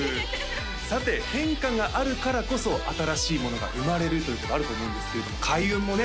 さて変化があるからこそ新しいものが生まれるということあると思うんですけれども開運もね